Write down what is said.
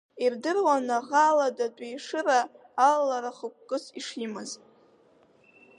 Ирдыруан аӷа аладатәи Ешыра алалара хықәкыс ишимаз.